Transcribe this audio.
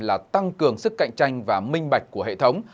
là tăng cường sức cạnh tranh và minh bạch của hệ thống